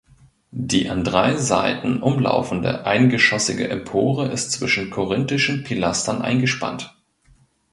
Die an drei Seiten umlaufende eingeschossige Empore ist zwischen korinthischen Pilastern eingespannt.